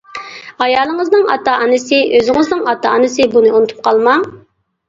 ئايالىڭىزنىڭ ئاتا-ئانىسى، ئۆزىڭىزنىڭ ئاتا-ئانىسى بۇنى ئۇنتۇپ قالماڭ.